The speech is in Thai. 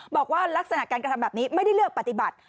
บอกว่าลักษณะการกระทำแบบนี้ไม่ได้เลือกปฏิบัติ